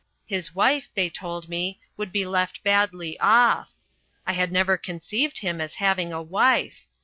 His wife, they told me, would be left badly off. I had never conceived him as having a wife.